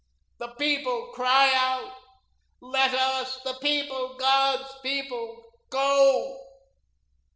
The people cry out 'Let us, the People, God's people, go.'